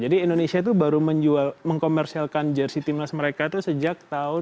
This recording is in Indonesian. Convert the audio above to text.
jadi indonesia itu baru menjual mengkomersialkan jersi timnas mereka itu sejak tahun dua ribu empat